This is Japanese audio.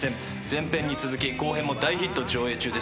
前編に続き後編も大ヒット上映中です。